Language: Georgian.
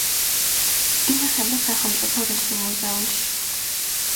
ინახება სახელმწიფო რუსულ მუზეუმში.